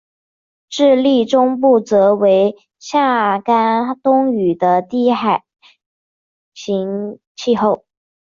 智利中部则为夏干冬雨的地中海型气候。